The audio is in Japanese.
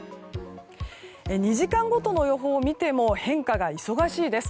２時間ごとの予報を見ても変化が忙しいです。